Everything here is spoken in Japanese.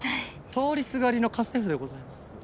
通りすがりの家政夫でございます。